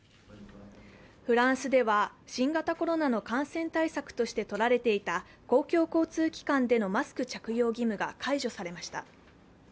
フランスでは新型コロナの感染対策としてとられていた公共交通機関でのマスク着用義務が解除されました。